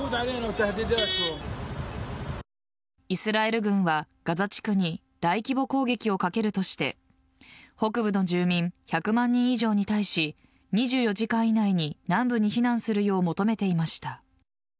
イスラエル軍はガザ地区に大規模攻撃をかけるとして北部の住民１００万人以上に対し２４時間以内に南部に避難するよう求めていました。